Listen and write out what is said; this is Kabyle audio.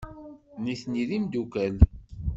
Nitni d imeddukal.